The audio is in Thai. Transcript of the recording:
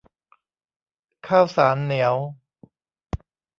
ข้าวสารเหนียว